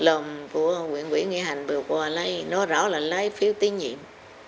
thì tôi thấy là cái việc mà cái lòng của nguyễn nguyễn nghĩa hành bầu quả lấy nó rõ ràng là lấy phiếu tiến nhiệm